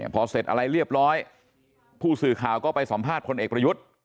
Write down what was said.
พอเสร็จอะไรเรียบร้อยผู้สื่อข่าวก็ไปสัมภาษณ์พลเอกประยุทธ์